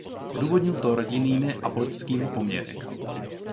Odůvodnil to rodinnými a politickými poměry.